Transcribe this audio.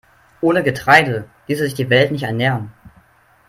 Ohne Getreide ließe sich die Welt nicht ernähren.